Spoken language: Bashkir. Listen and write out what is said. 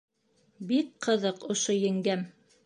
- Бик ҡыҙыҡ ошо еңгәм.